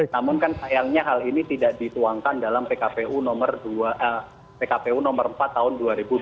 namun kan sayangnya hal ini tidak dituangkan dalam pkpu nomor empat tahun dua ribu dua puluh